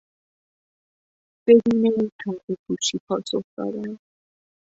بدون پردهپوشی پاسخ دادن